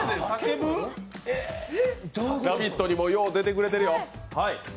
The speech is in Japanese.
「ラヴィット！」にもよう出てくれてるよ。